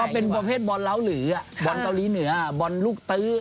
เป็นประเภทบอลเล้าหรือบอลเกาหลีเหนือบอลลูกตื้อ